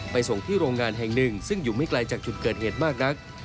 ส่งที่โรงงานแห่งหนึ่งซึ่งอยู่ไม่ไกลจากจุดเกิดเหตุมากนัก